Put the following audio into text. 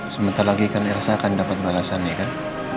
sebentar lagi kan elsa akan dapat balasannya kan